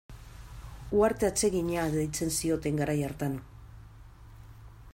Uharte atsegina deitzen zioten garai hartan.